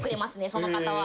その方は。